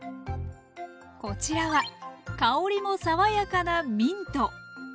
こちらは香りも爽やかなミント。